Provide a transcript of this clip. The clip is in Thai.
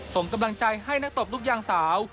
ส่งกำลังใจให้นักตบลูกยางสาว